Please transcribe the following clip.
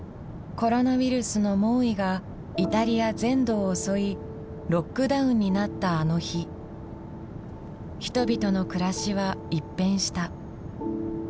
コロナウイルスの猛威がイタリア全土を襲いロックダウンになったあの日人々の暮らしは一変した。